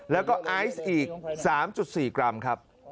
แล้วก็ไอซ์อีก๓๔กรัมครับ